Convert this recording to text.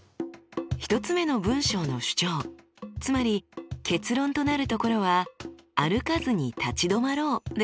１つ目の文章の主張つまり結論となるところは「歩かずに立ち止まろう」でした。